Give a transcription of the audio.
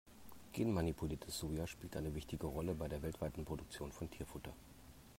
Genmanipuliertes Soja spielt eine wichtige Rolle bei der weltweiten Produktion von Tierfutter.